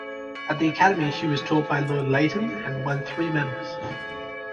At the Academy she was taught by Lord Leighton and won three medals.